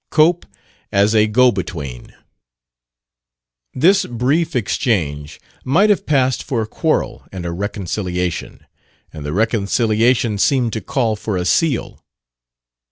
26 COPE AS A GO BETWEEN This brief exchange might have passed for a quarrel and a reconciliation; and the reconciliation seemed to call for a seal.